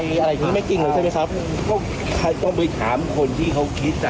อะไรที่นี่ไม่จริงหรือใช่ไหมครับก็ต้องไปถามคนที่เขาคิดอ่ะ